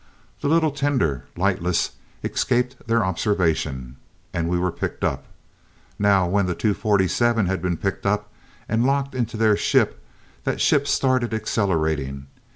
The little tender, lightless, escaped their observation, and we were picked up. Now, when the 247 had been picked up, and locked into their ship, that ship started accelerating.